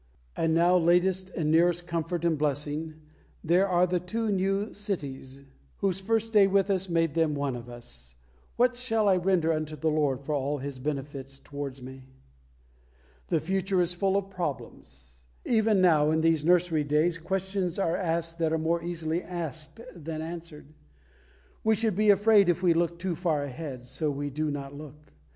And now latest and nearest comfort and blessing, there are the two new "Sitties," whose first day with us made them one of us. What shall I render unto the Lord for all His benefits towards me? The future is full of problems. Even now in these Nursery days questions are asked that are more easily asked than answered. We should be afraid if we looked too far ahead, so we do not look.